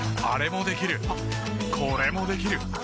あれもできるこれもできる。